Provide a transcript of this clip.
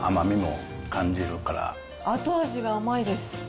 後味が甘いです。